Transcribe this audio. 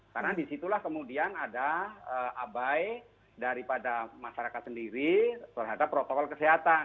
karena disitulah kemudian ada abai daripada masyarakat sendiri terhadap protokol kesehatan